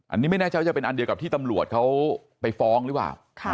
อันนี้ไม่แน่ใจว่าจะเป็นอันเดียวกับที่ตำรวจเขาไปฟ้องหรือเปล่า